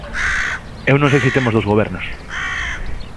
Eu non sei se temos dous gobernos.